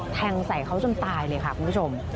แทงใส่เขาจนตายเลยค่ะคุณผู้ชม